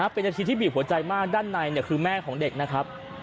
เป็นนาทีที่บีบหัวใจมากด้านในคือแม่ของเด็กนะครับ